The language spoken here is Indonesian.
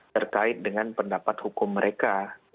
terkait dengan pendapat hukum mereka